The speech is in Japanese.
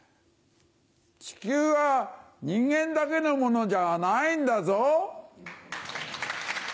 地球は人間だけのものじゃないんだぞ。